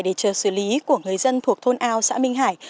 để chờ xử lý của người dân thuộc thôn ao xã minh hải